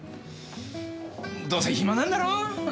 どうせ暇なんだろ？